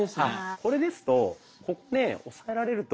これですとここで押さえられると。